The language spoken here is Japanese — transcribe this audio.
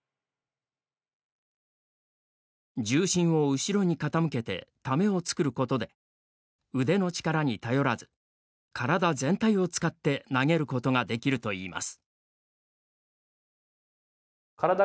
重心を後ろに傾けてタメを作ることで腕の力に頼らず体全体を使って投げることができるといいます。